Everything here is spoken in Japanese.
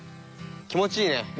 気持ちいいね。